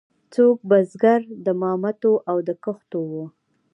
څوک بزګر د مامتو او د کښتو وو.